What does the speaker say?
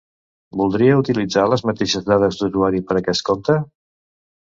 Voldria utilitzar les mateixes dades d'usuari per aquest compte?